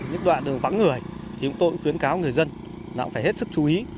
những đoạn đường vắng người thì chúng tôi cũng khuyến cáo người dân là cũng phải hết sức chú ý